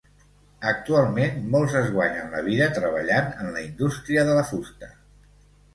Actualment, molts es guanyen la vida treballant en la indústria de la fusta.